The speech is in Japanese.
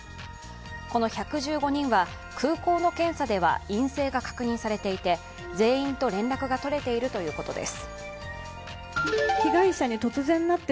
この１１５人は空港の検査では陰性が確認されていて全員と連絡が取れているということです。